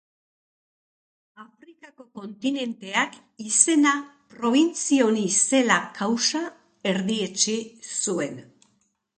Afrikako kontinenteak izena probintzia honi zela kausa erdietsi zuen.